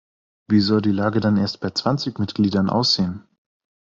Wie soll die Lage dann erst bei zwanzig Mitgliedern aussehen?